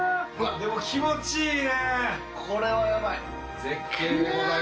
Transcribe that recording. でも、気持ちいいね。